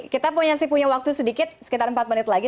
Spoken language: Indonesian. kita punya waktu sedikit sekitar empat menit lagi